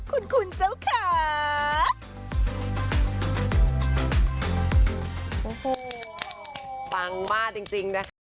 คุณคุณเจ้าค่า